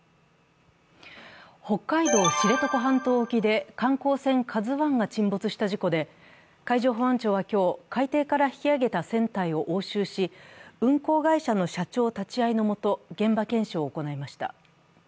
北海道知床半島沖で観光船「ＫＡＺＵⅠ」が沈没した事故で、海上保安庁は今日、海底から引き揚げた船体を押収し、運航会社の社長立ち会いのもと現場検証を行いました。